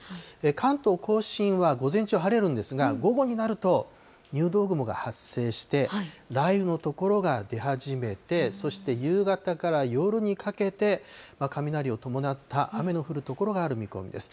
関東甲信は午前中晴れるんですが、午後になると、入道雲が発生して、雷雨の所が出始めて、そして夕方から夜にかけて、雷を伴った雨の降る所がある見込みです。